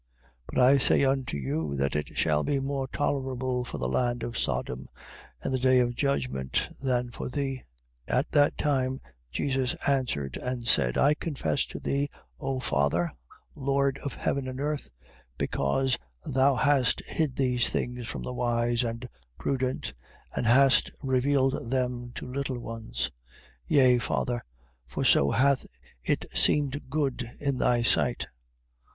11:24. But I say unto you, that it shall be more tolerable for the land of Sodom in the day of judgment than for thee. 11:25. At that time Jesus answered and said: I confess to thee, O Father, Lord of Heaven and earth, because thou hast hid these things from the wise and prudent, and hast revealed them to little ones. 11:26. Yea, Father: for so hath it seemed good in thy sight.